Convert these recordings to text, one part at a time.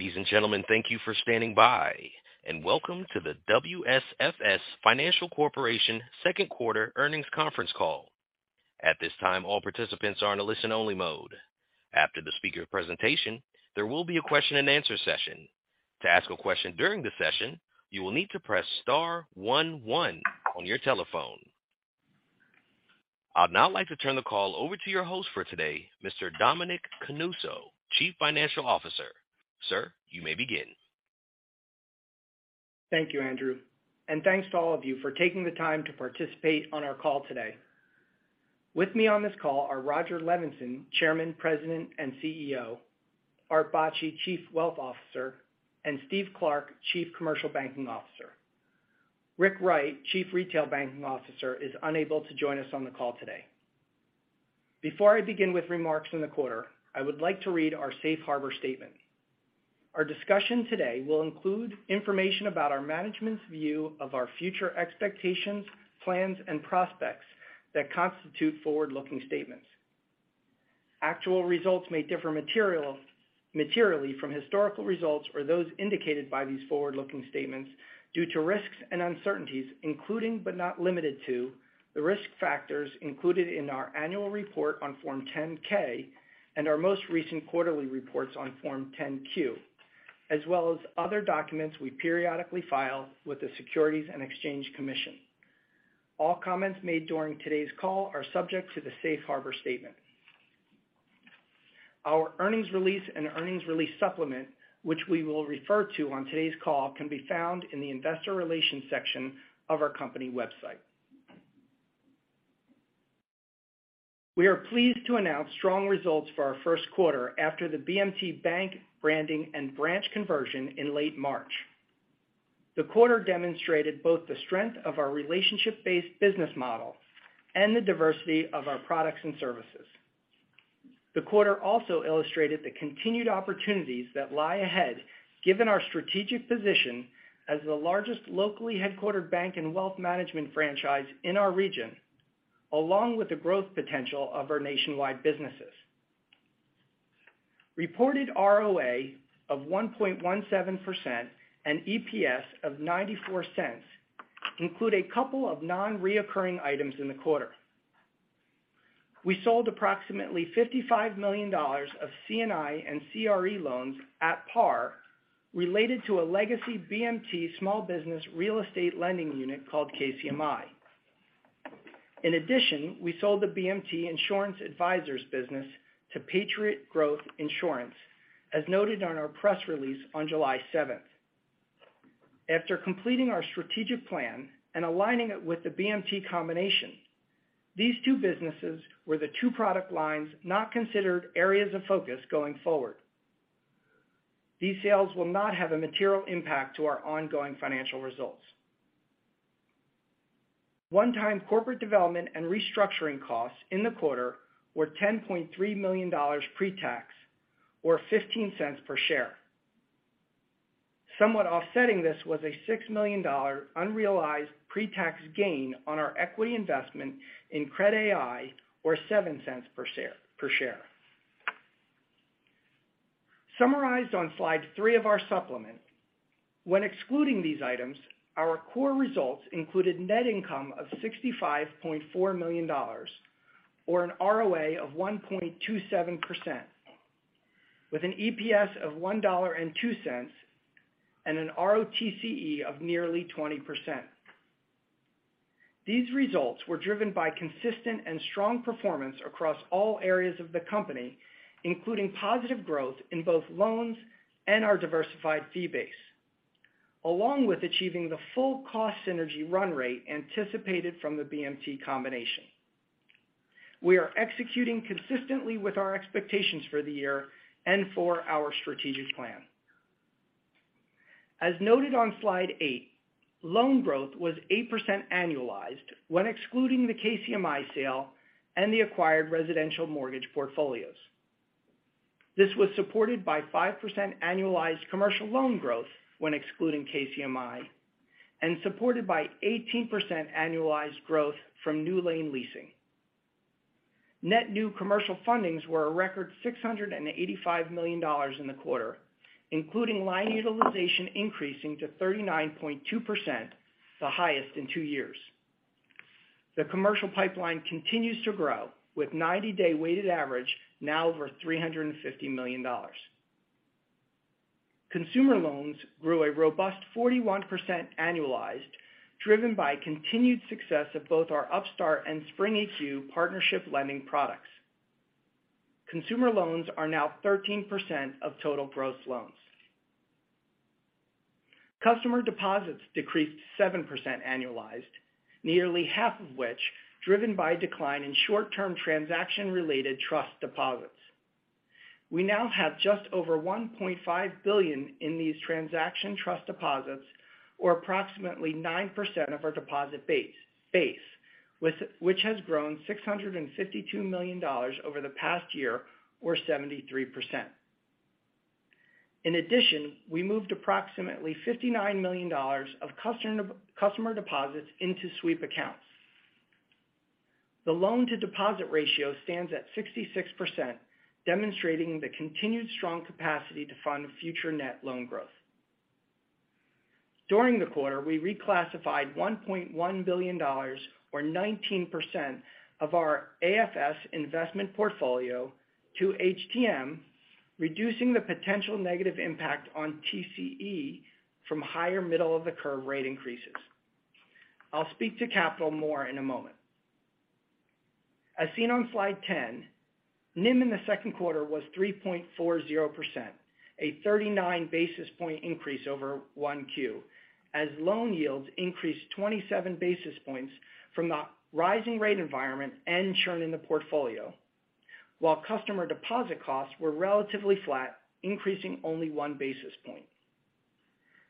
Ladies and gentlemen, thank you for standing by, and welcome to the WSFS Financial Corporation second quarter earnings conference call. At this time, all participants are in a listen-only mode. After the speaker presentation, there will be a question and answer session. To ask a question during the session, you will need to press star one one on your telephone. I'd now like to turn the call over to your host for today, Mr. Dominic Canuso, Chief Financial Officer. Sir, you may begin. Thank you, Andrew, and thanks to all of you for taking the time to participate on our call today. With me on this call are Rodger Levenson, Chairman, President, and CEO, Art Bacci, Chief Wealth Officer, and Steve Clark, Chief Commercial Banking Officer. Rick Wright, Chief Retail Banking Officer, is unable to join us on the call today. Before I begin with remarks for the quarter, I would like to read our safe harbor statement. Our discussion today will include information about our management's view of our future expectations, plans, and prospects that constitute forward-looking statements. Actual results may differ materially from historical results or those indicated by these forward-looking statements due to risks and uncertainties, including, but not limited to, the risk factors included in our annual report on Form 10-K and our most recent quarterly reports on Form 10-Q, as well as other documents we periodically file with the Securities and Exchange Commission. All comments made during today's call are subject to the safe harbor statement. Our earnings release and earnings release supplement, which we will refer to on today's call, can be found in the investor relations section of our company website. We are pleased to announce strong results for our first quarter after the BMT bank branding and branch conversion in late March. The quarter demonstrated both the strength of our relationship-based business model and the diversity of our products and services. The quarter also illustrated the continued opportunities that lie ahead given our strategic position as the largest locally headquartered bank and wealth management franchise in our region, along with the growth potential of our nationwide businesses. Reported ROA of 1.17% and EPS of $0.94 include a couple of nonrecurring items in the quarter. We sold approximately $55 million of C&I and CRE loans at par related to a legacy BMT small business real estate lending unit called KCMI. In addition, we sold the BMT Insurance Advisors business to Patriot Growth Insurance, as noted on our press release on July 7th. After completing our strategic plan and aligning it with the BMT combination, these two businesses were the two product lines not considered areas of focus going forward. These sales will not have a material impact to our ongoing financial results. One-time corporate development and restructuring costs in the quarter were $10.3 million pre-tax or $0.15 per share. Somewhat offsetting this was a $6 million unrealized pre-tax gain on our equity investment in Cred.ai or $0.07 per share. Summarized on slide three of our supplement. When excluding these items, our core results included net income of $65.4 million or an ROA of 1.27% with an EPS of $1.02 and an ROTCE of nearly 20%. These results were driven by consistent and strong performance across all areas of the company, including positive growth in both loans and our diversified fee base, along with achieving the full cost synergy run rate anticipated from the BMT combination. We are executing consistently with our expectations for the year and for our strategic plan. As noted on slide eight, loan growth was 8% annualized when excluding the KCMI sale and the acquired residential mortgage portfolios. This was supported by 5% annualized commercial loan growth when excluding KCMI and supported by 18% annualized growth from NewLane Finance leasing. Net new commercial fundings were a record $685 million in the quarter, including line utilization increasing to 39.2%, the highest in two years. The commercial pipeline continues to grow with 90-day weighted average now over $350 million. Consumer loans grew a robust 41% annualized, driven by continued success of both our Upstart and Spring EQ partnership lending products. Consumer loans are now 13% of total gross loans. Customer deposits decreased 7% annualized, nearly half of which driven by decline in short-term transaction-related trust deposits. We now have just over $1.5 billion in these transaction trust deposits, or approximately 9% of our deposit base, which has grown $652 million over the past year or 73%. In addition, we moved approximately $59 million of customer deposits into sweep accounts. The loan to deposit ratio stands at 66%, demonstrating the continued strong capacity to fund future net loan growth. During the quarter, we reclassified $1.1 billion or 19% of our AFS investment portfolio to HTM, reducing the potential negative impact on TCE from higher middle of the curve rate increases. I'll speak to capital more in a moment. As seen on slide 10, NIM in the second quarter was 3.40%, a 39 basis point increase over Q1, as loan yields increased 27 basis points from the rising rate environment and churn in the portfolio. While customer deposit costs were relatively flat, increasing only 1 basis point.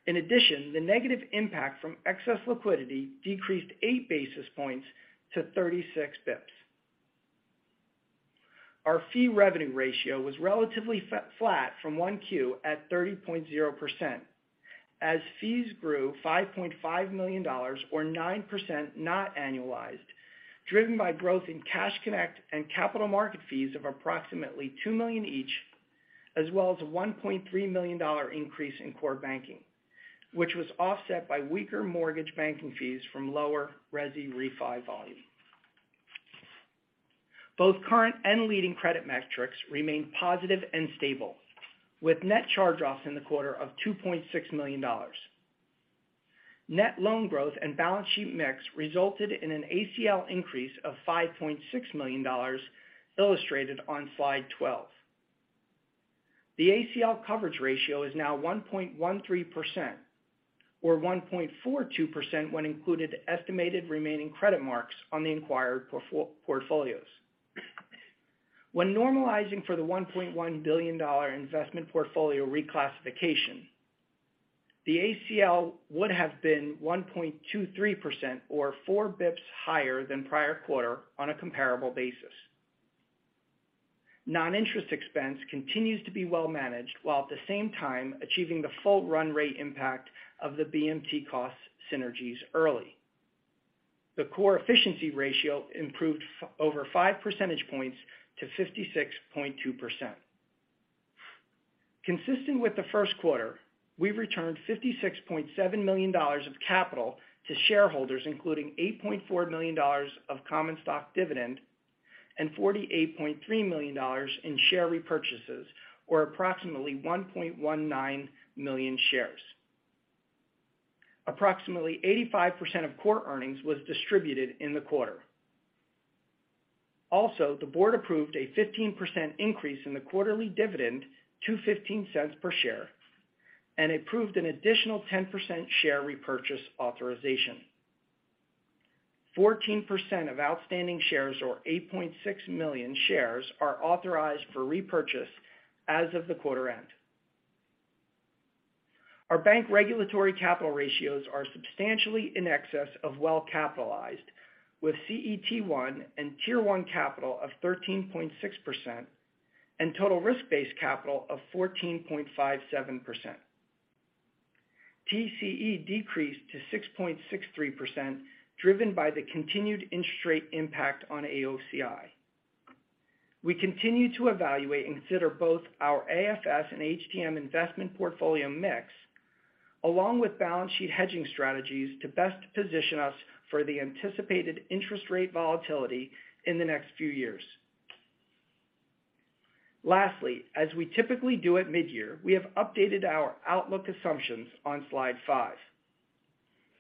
In addition, the negative impact from excess liquidity decreased 8 basis points to 36 basis points. Our fee revenue ratio was relatively flat from Q1 at 30.0% as fees grew $5.5 million or 9% non-annualized, driven by growth in Cash Connect and capital market fees of approximately $2 million each, as well as $1.3 million increase in core banking, which was offset by weaker mortgage banking fees from lower resi refi volume. Both current and leading credit metrics remained positive and stable, with net charge-offs in the quarter of $2.6 million. Net loan growth and balance sheet mix resulted in an ACL increase of $5.6 million illustrated on slide 12. The ACL coverage ratio is now 1.13% or 1.42% when including estimated remaining credit marks on the acquired portfolios. When normalizing for the $1.1 billion investment portfolio reclassification, the ACL would have been 1.23% or four basis points higher than prior quarter on a comparable basis. Noninterest expense continues to be well managed, while at the same time achieving the full run rate impact of the BMT cost synergies early. The core efficiency ratio improved over five percentage points to 56.2%. Consistent with the first quarter, we've returned $56.7 million of capital to shareholders, including $8.4 million of common stock dividend and $48.3 million in share repurchases, or approximately 1.19 million shares. Approximately 85% of core earnings was distributed in the quarter. Also, the board approved a 15% increase in the quarterly dividend to $0.15 per share, and approved an additional 10% share repurchase authorization. 14% of outstanding shares or 8.6 million shares are authorized for repurchase as of the quarter end. Our bank regulatory capital ratios are substantially in excess of well capitalized with CET1 and Tier 1 capital of 13.6% and total risk-based capital of 14.57%. TCE decreased to 6.63%, driven by the continued interest rate impact on AOCI. We continue to evaluate and consider both our AFS and HTM investment portfolio mix, along with balance sheet hedging strategies to best position us for the anticipated interest rate volatility in the next few years. Lastly, as we typically do at mid-year, we have updated our outlook assumptions on slide five.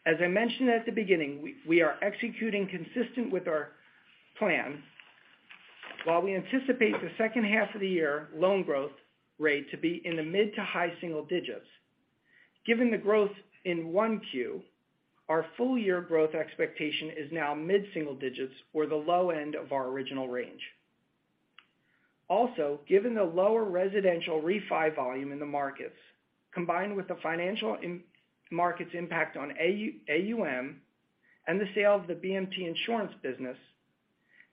As I mentioned at the beginning, we are executing consistent with our plan. While we anticipate the second half of the year loan growth rate to be in the mid- to high-single digits. Given the growth in Q1, our full year growth expectation is now mid-single digits or the low end of our original range. Also, given the lower residential refi volume in the markets, combined with the financial markets impact on AUM and the sale of the BMT Insurance business,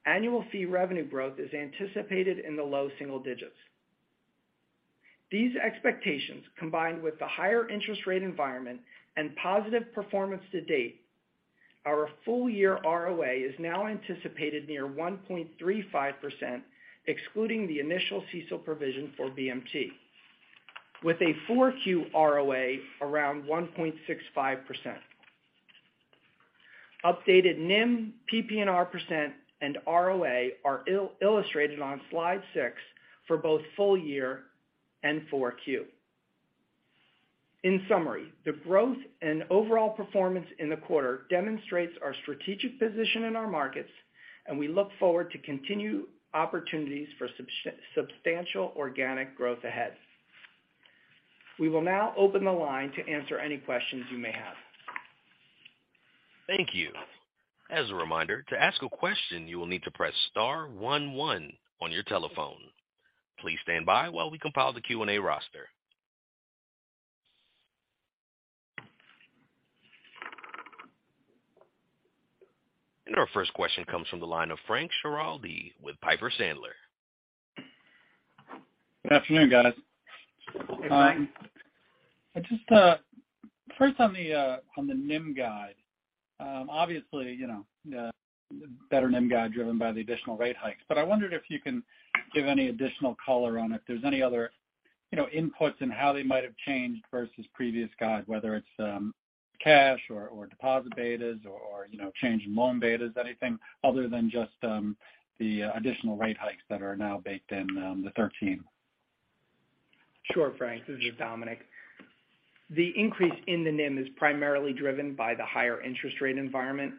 annual fee revenue growth is anticipated in the low single digits. These expectations, combined with the higher interest rate environment and positive performance to date, our full-year ROA is now anticipated near 1.35%, excluding the initial CECL provision for BMT, with a Q4 ROA around 1.65%. Updated NIM, PPNR percent, and ROA are illustrated on slide six for both full year and Q4. In summary, the growth and overall performance in the quarter demonstrates our strategic position in our markets, and we look forward to continued opportunities for substantial organic growth ahead. We will now open the line to answer any questions you may have. Thank you. As a reminder, to ask a question, you will need to press star one one on your telephone. Please stand by while we compile the Q&A roster. Our first question comes from the line of Frank Schiraldi with Piper Sandler. Good afternoon, guys. Hey, Frank. I just first on the NIM guide. Obviously, you know, the better NIM guide driven by the additional rate hikes. I wondered if you can give any additional color on if there's any other, you know, inputs in how they might have changed versus previous guide, whether it's cash or deposit betas or, you know, change in loan betas, anything other than just the additional rate hikes that are now baked in the 13. Sure, Frank. This is Dominic. The increase in the NIM is primarily driven by the higher interest rate environment.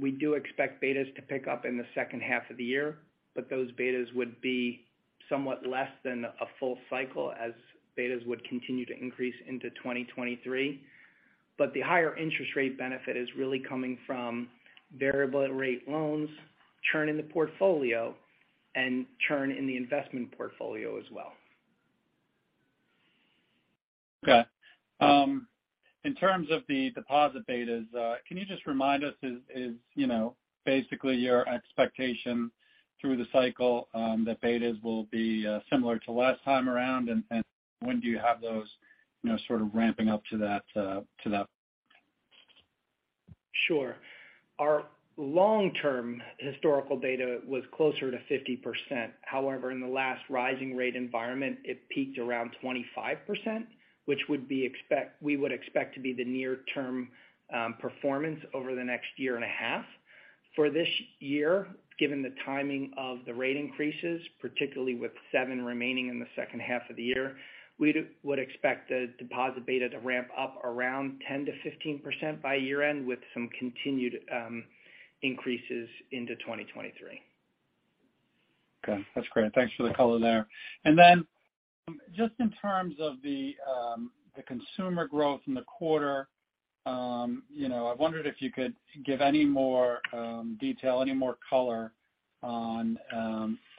We do expect betas to pick up in the second half of the year, but those betas would be somewhat less than a full cycle as betas would continue to increase into 2023. The higher interest rate benefit is really coming from variable rate loans, churn in the portfolio, and churn in the investment portfolio as well. Okay. In terms of the deposit betas, can you just remind us is, you know, basically your expectation through the cycle, that betas will be similar to last time around and when do you have those, you know, sort of ramping up to that, to that? Sure. Our long-term historical data was closer to 50%. However, in the last rising rate environment, it peaked around 25%, which we would expect to be the near-term performance over the next year and a half. For this year, given the timing of the rate increases, particularly with seven remaining in the second half of the year, we would expect the deposit beta to ramp up around 10%-15% by year-end with some continued increases into 2023. Okay, that's great. Thanks for the color there. Just in terms of the consumer growth in the quarter, you know, I wondered if you could give any more detail, any more color on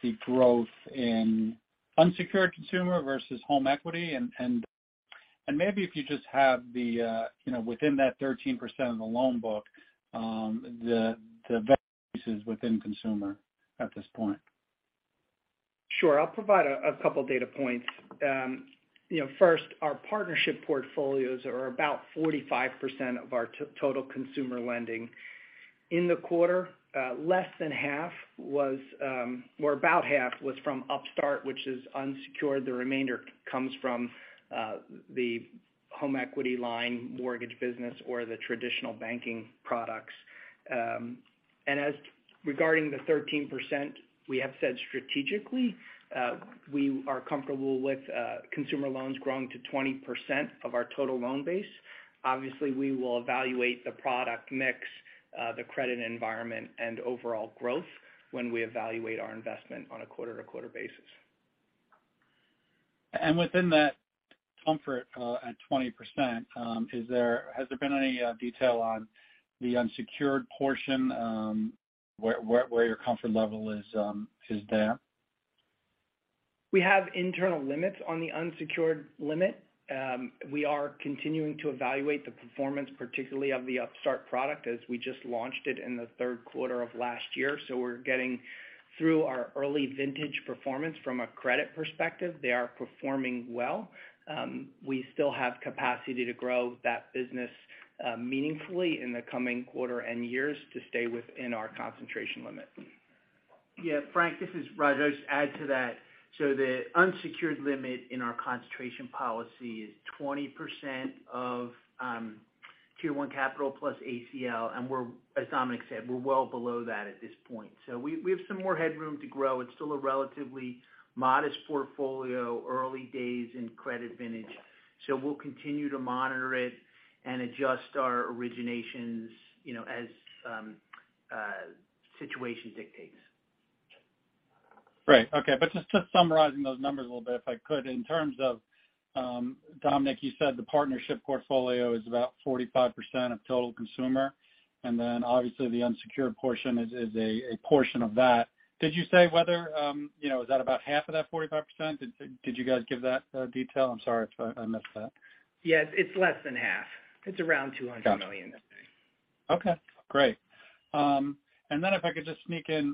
the growth in unsecured consumer versus home equity and maybe if you just have the you know, within that 13% of the loan book, the pieces within consumer at this point. Sure. I'll provide a couple data points. You know, first, our partnership portfolios are about 45% of our total consumer lending. In the quarter, less than half was, or about half was from Upstart, which is unsecured. The remainder comes from the home equity line mortgage business or the traditional banking products. As regarding the 13%, we have said strategically, we are comfortable with consumer loans growing to 20% of our total loan base. Obviously, we will evaluate the product mix, the credit environment and overall growth when we evaluate our investment on a quarter-to-quarter basis. Within that comfort at 20%, has there been any detail on the unsecured portion where your comfort level is? We have internal limits on the unsecured limit. We are continuing to evaluate the performance, particularly of the Upstart product as we just launched it in the third quarter of last year. We're getting through our early vintage performance from a credit perspective. They are performing well. We still have capacity to grow that business, meaningfully in the coming quarter and years to stay within our concentration limit. Yeah, Frank, this is Rodger. I'll just add to that. The unsecured limit in our concentration policy is 20% of Tier 1 capital plus ACL. We're, as Dominic said, well below that at this point. We have some more headroom to grow. It's still a relatively modest portfolio, early days in credit vintage. We'll continue to monitor it and adjust our originations, you know, as situation dictates. Right. Okay. Just summarizing those numbers a little bit, if I could. In terms of, Dominic, you said the partnership portfolio is about 45% of total consumer, and then obviously the unsecured portion is a portion of that. Did you say whether, you know, is that about half of that 45%? Did you guys give that detail? I'm sorry if I missed that. Yes, it's less than half. It's around $200 million. Gotcha. Okay, great. If I could just sneak in,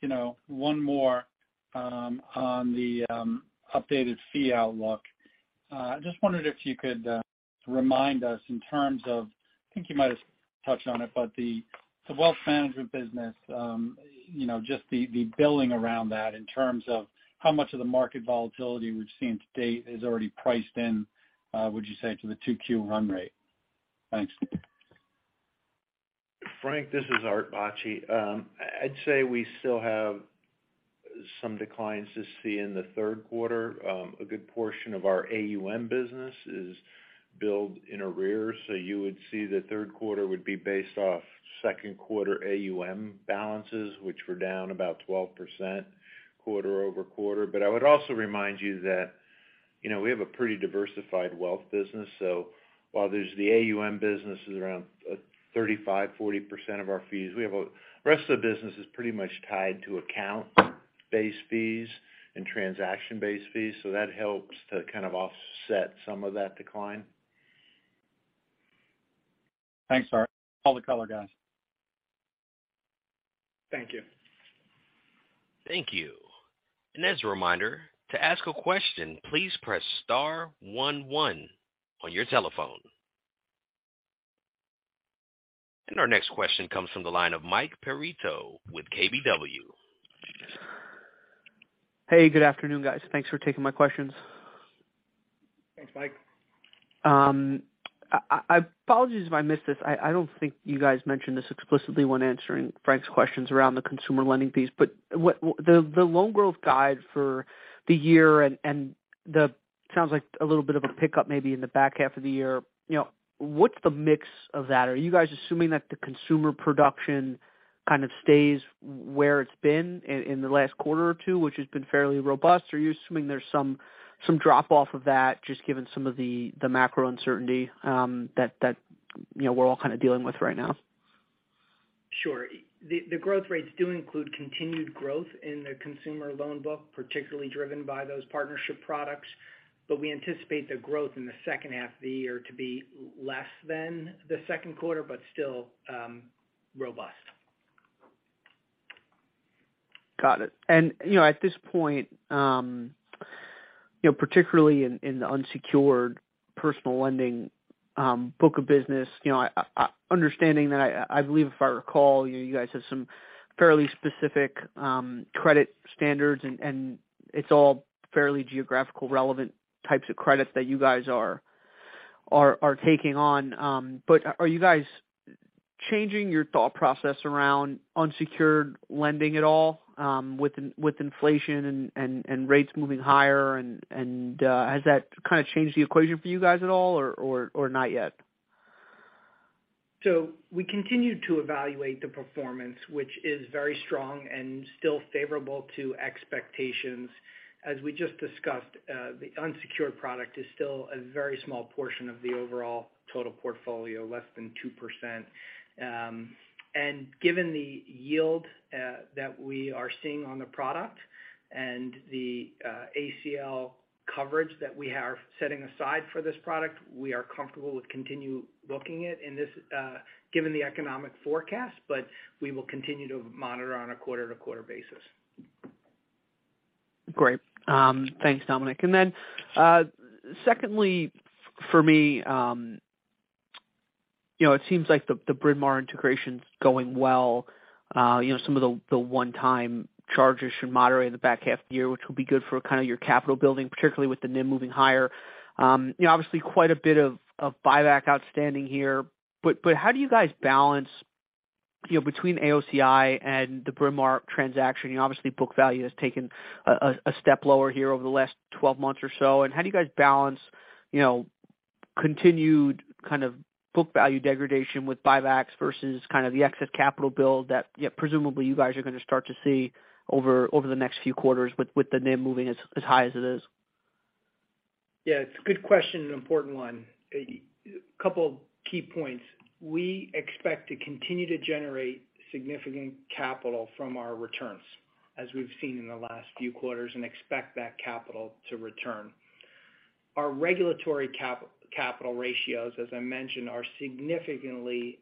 you know, one more on the updated fee outlook. Just wondered if you could remind us in terms of, I think you might have touched on it, but the wealth management business, you know, just the billing around that in terms of how much of the market volatility we've seen to date is already priced in, would you say, to the Q2 run rate? Thanks. Frank, this is Art Bacci. I'd say we still have some declines to see in the third quarter. A good portion of our AUM business is billed in arrears. You would see the third quarter would be based off second quarter AUM balances, which were down about 12% quarter-over-quarter. I would also remind you that, you know, we have a pretty diversified wealth business. While there's the AUM business is around 35%-40% of our fees, we have rest of the business is pretty much tied to account-based fees and transaction-based fees. That helps to kind of offset some of that decline. Thanks, Art. Call the color guys. Thank you. Thank you. As a reminder, to ask a question, please press star one one on your telephone. Our next question comes from the line of Michael Perito with KBW. Hey, good afternoon, guys. Thanks for taking my questions. Thanks, Mike. Apologies if I missed this. I don't think you guys mentioned this explicitly when answering Frank's questions around the consumer lending piece. What's the loan growth guide for the year and it sounds like a little bit of a pickup maybe in the back half of the year. You know, what's the mix of that? Are you guys assuming that the consumer production kind of stays where it's been in the last quarter or two, which has been fairly robust? Or are you assuming there's some drop-off of that just given some of the macro uncertainty that you know we're all kind of dealing with right now? Sure. The growth rates do include continued growth in the consumer loan book, particularly driven by those partnership products. We anticipate the growth in the second half of the year to be less than the second quarter, but still, robust. Got it. You know, at this point, particularly in the unsecured personal lending book of business. You know, understanding that I believe if I recall, you know, you guys have some fairly specific credit standards and it's all fairly geographically relevant types of credits that you guys are taking on. But are you guys changing your thought process around unsecured lending at all, with inflation and rates moving higher and has that kind of changed the equation for you guys at all or not yet? We continue to evaluate the performance, which is very strong and still favorable to expectations. As we just discussed, the unsecured product is still a very small portion of the overall total portfolio, less than 2%. And given the yield that we are seeing on the product and the ACL coverage that we are setting aside for this product, we are comfortable with continue booking it in this, given the economic forecast. We will continue to monitor on a quarter-to-quarter basis. Great. Thanks, Dominic. Secondly for me, you know, it seems like the Bryn Mawr integration's going well. You know, some of the one-time charges should moderate in the back half of the year, which will be good for kind of your capital building, particularly with the NIM moving higher. You know, obviously quite a bit of buyback outstanding here. But how do you guys balance, you know, between AOCI and the Bryn Mawr transaction? You know, obviously book value has taken a step lower here over the last 12 months or so. How do you guys balance, you know, continued kind of book value degradation with buybacks versus kind of the excess capital build that, yeah, presumably you guys are gonna start to see over the next few quarters with the NIM moving as high as it is? Yeah, it's a good question, an important one. A couple of key points. We expect to continue to generate significant capital from our returns, as we've seen in the last few quarters, and expect that capital to return. Our regulatory capital ratios, as I mentioned, are significantly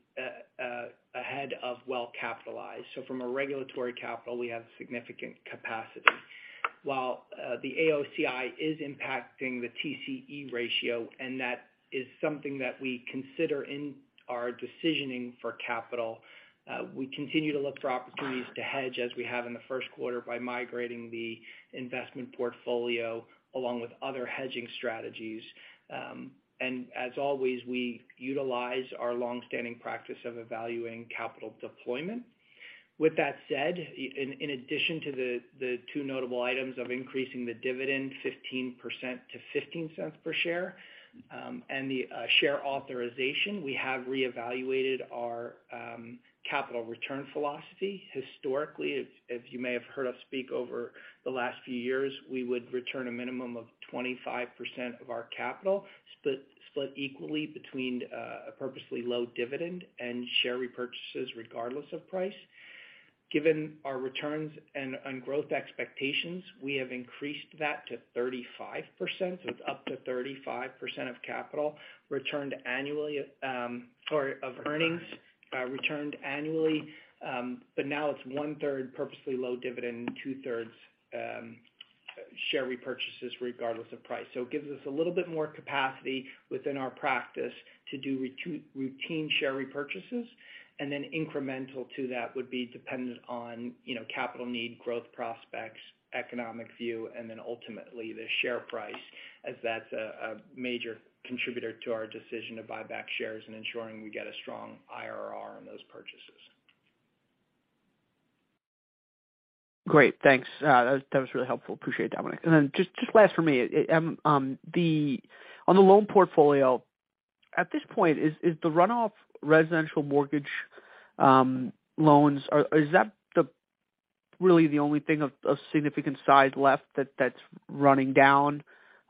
ahead of well capitalized. So from a regulatory capital, we have significant capacity. While the AOCI is impacting the TCE ratio, and that is something that we consider in our decisioning for capital. We continue to look for opportunities to hedge as we have in the first quarter by migrating the investment portfolio along with other hedging strategies. As always, we utilize our long-standing practice of evaluating capital deployment. With that said, in addition to the two notable items of increasing the dividend 15% to $0.15 per share, and the share authorization, we have reevaluated our capital return philosophy. Historically, as you may have heard us speak over the last few years, we would return a minimum of 25% of our capital split equally between a purposely low dividend and share repurchases regardless of price. Given our returns and our growth expectations, we have increased that to 35%, with up to 35% of capital returned annually. Or of earnings returned annually. Now it's one-third purposely low dividend and 2/3 share repurchases regardless of price. It gives us a little bit more capacity within our practice to do routine share repurchases. Incremental to that would be dependent on, you know, capital need, growth prospects, economic view, and then ultimately the share price as that's a major contributor to our decision to buy back shares and ensuring we get a strong IRR on those purchases. Great. Thanks. That was really helpful. Appreciate it, Dominic. Just last for me. On the loan portfolio, at this point, is the runoff residential mortgage loans really the only thing of significant size left that's running down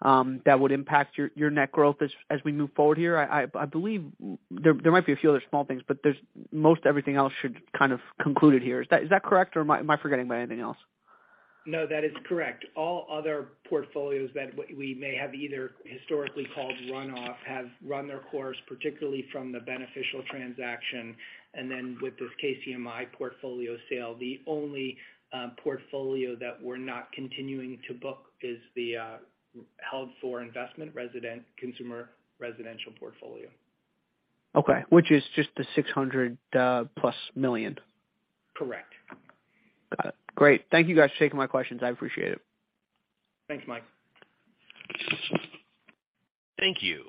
that would impact your net growth as we move forward here? I believe there might be a few other small things, but most everything else should kind of conclude here. Is that correct or am I forgetting about anything else? No, that is correct. All other portfolios that we may have either historically called runoff have run their course, particularly from the Bryn Mawr transaction. Then with this KCMI portfolio sale, the only portfolio that we're not continuing to book is the held for investment residential consumer residential portfolio. Okay, which is just the $600+ million. Correct. Got it. Great. Thank you guys for taking my questions. I appreciate it. Thanks, Mike. Thank you.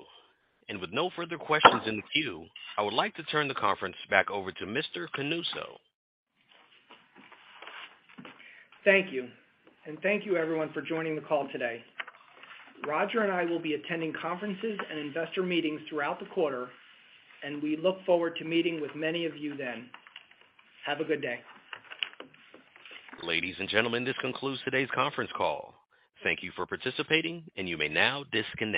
With no further questions in the queue, I would like to turn the conference back over to Mr. Canuso. Thank you. Thank you everyone for joining the call today. Rodger and I will be attending conferences and investor meetings throughout the quarter, and we look forward to meeting with many of you then. Have a good day. Ladies and gentlemen, this concludes today's conference call. Thank you for participating, and you may now disconnect.